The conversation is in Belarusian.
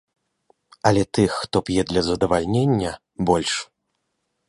Але тых, хто п'е для задавальнення, больш.